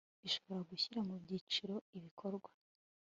ishobora gushyira mu byiciro ibikorwa